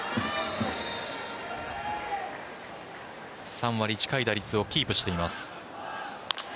３割近い打率をキープしています。